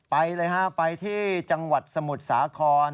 ไปเลยฮะไปที่จังหวัดสมุทรสาคร